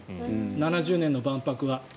７０年の万博は。